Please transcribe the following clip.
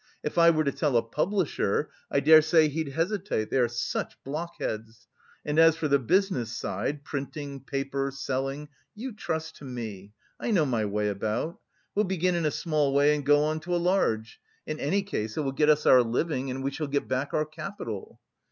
If I were to tell a publisher, I dare say he'd hesitate they are such blockheads! And as for the business side, printing, paper, selling, you trust to me, I know my way about. We'll begin in a small way and go on to a large. In any case it will get us our living and we shall get back our capital."